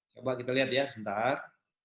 coba kita lihat ya sebentar